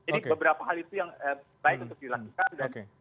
jadi beberapa hal itu yang baik untuk dilakukan